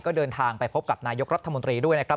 ก็เดินทางไปพบกับนายกรัฐมนตรีด้วยนะครับ